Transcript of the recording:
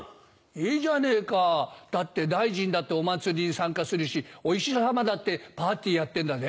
いいじゃねえかだって大臣だってお祭りに参加するしお医者様だってパーティーやってんだぜ。